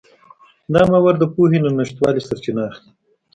دا باور د پوهې له نشتوالي سرچینه اخلي.